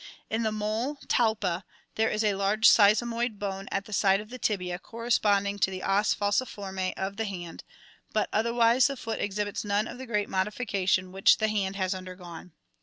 In the mole Talpa there is a large sesamoid bone at the side of the tibia corresponding to the os falciforme of the hand, but otherwise the foot exhibits none of the great modification which the hand has undergone.